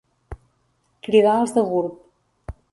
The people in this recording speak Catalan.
Cridar els de Gurb.